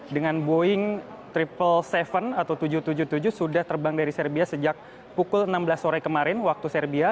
dengan boeing tujuh ratus tujuh atau tujuh ratus tujuh puluh tujuh sudah terbang dari serbia sejak pukul enam belas sore kemarin waktu serbia